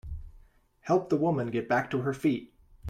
Help the woman get back to her feet.